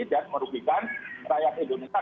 dan merupakan rakyat yang lebih berharga